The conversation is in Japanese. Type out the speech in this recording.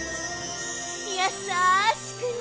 やさしくね！